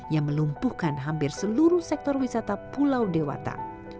yang melumpuhkan hampir seluruh sektor wisata pulau dewata